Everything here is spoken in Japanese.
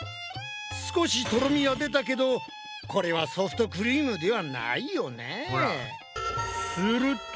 少しとろみは出たけどこれはソフトクリームではないよね。